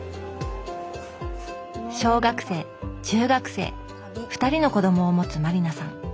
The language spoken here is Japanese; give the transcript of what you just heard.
小学生・中学生２人の子どもを持つ満里奈さん。